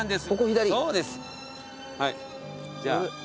はいじゃあ。